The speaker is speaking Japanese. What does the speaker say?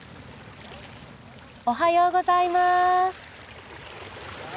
おはようございます！